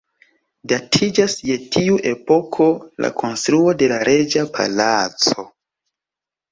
Datiĝas je tiu epoko la konstruo de la “reĝa Palaco”.